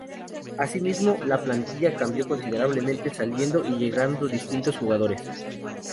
Asimismo la plantilla cambió considerablemente saliendo y llegando distintos jugadores.